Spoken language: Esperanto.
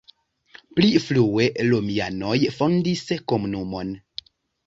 Pli frue romianoj fondis komunumon.